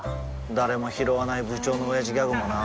誰もひろわない部長のオヤジギャグもな